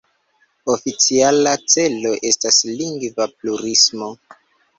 Oficiala celo estas lingva plurismo.